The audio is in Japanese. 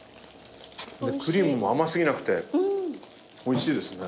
クリームも甘過ぎなくておいしいですね。